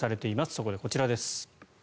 そこでこちらです。